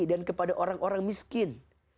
dan kepada orang orang miskin